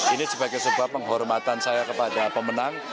ini sebagai sebuah penghormatan saya kepada pemenang